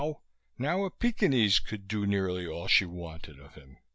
Now a Pekingese could do nearly all she wanted of him.